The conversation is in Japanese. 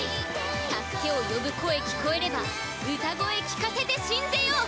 助けを呼ぶ声聞こえれば歌声聴かせてしんぜよう！